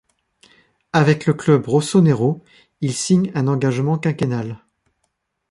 Avec le club rossonero, il signe un engagement quinquennal.